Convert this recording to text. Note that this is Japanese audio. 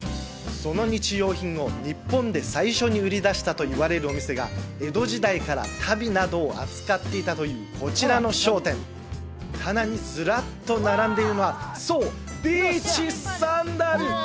その日用品を日本で最初に売りだしたといわれるお店が江戸時代から足袋などを扱っていたというこちらの商店棚にずらっと並んでいるのはそうビーチサンダル！